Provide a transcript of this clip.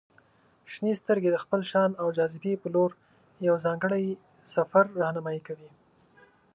• شنې سترګې د خپل شان او جاذبې په لور یو ځانګړی سفر رهنمائي کوي.